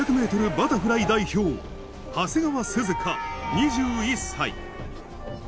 バタフライ代表、長谷川涼香２１歳。